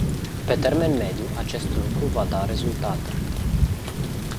Pe termen mediu, acest lucru va da rezultate.